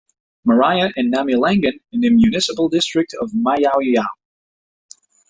Maria, and Namillangan in the municipal district of Mayaoyao.